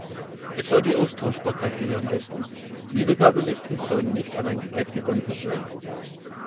Es soll die Austauschbarkeit gewährleisten, Wiedergabelisten sollen nicht an ein Gerät gebunden sein.